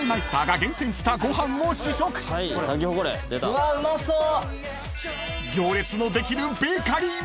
うわうまそう。